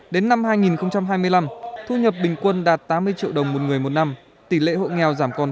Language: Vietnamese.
đến năm hai nghìn hai mươi năm thu nhập bình quân đạt tám mươi triệu đồng một người một năm tỷ lệ hộ nghèo giảm còn sáu